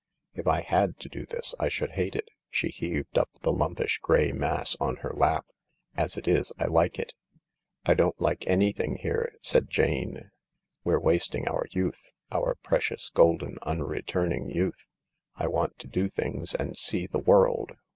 D I had to do this I should hate it." She heaved up the lumpish grey mass on her lap. " As it is, I like it." " I don't like anything here," said Jane ; "we're wasting THE LARK 28 but youth— our precious, golden, unreturning youth. I want to do things and see the world."